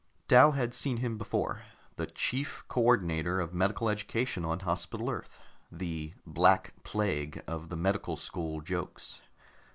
Dal had seen him before the chief co ordinator of medical education on Hospital Earth, the "Black Plague" of the medical school jokes.